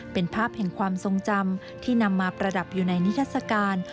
เป็นภาพแห่งความทรงจำที่นำมาประดับอยู่ในนิทัศกาล